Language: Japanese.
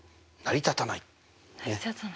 成りたたない。